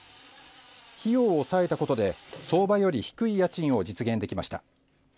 費用を抑えたことで、相場より低い家賃を実現できました。